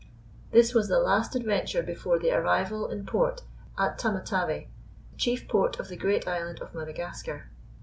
This was the last adventure before the arrival in port at Tamatave, the chief port of the great island of Madagascar.